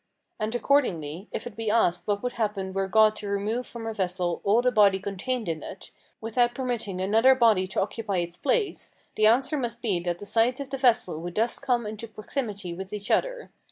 And accordingly, if it be asked what would happen were God to remove from a vessel all the body contained in it, without permitting another body to occupy its place, the answer must be that the sides of the vessel would thus come into proximity with each other.